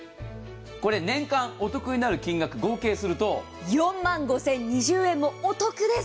これ年間お得になる金額、合計すると、４万５０２０円もお得です。